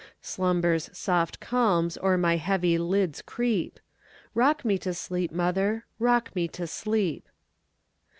Slumber's soft calms o'er my heavy lids creep;—Rock me to sleep, mother,—rock me to sleep!